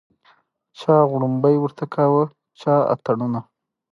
چا غړومبی ورته کاوه چا اتڼونه